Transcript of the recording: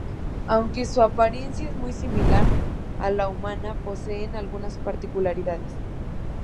Aunque su apariencia es muy similar a la humana, poseen algunas particularidades.